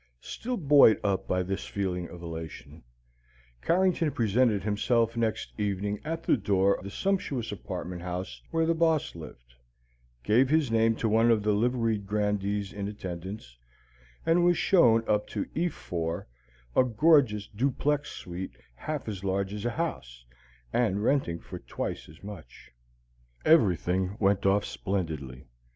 Still buoyed up by this feeling of elation, Carrington presented himself next evening at the door of the sumptuous apartment house where the boss lived, gave his name to one of the liveried grandees in attendance, and was shown up to E 4, a gorgeous duplex suite half as large as a house, and renting for twice as much. Everything went off splendidly.